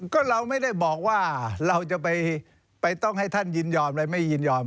ก็เราไม่ได้บอกว่าเราจะไปต้องให้ท่านยินยอมอะไรไม่ยินยอม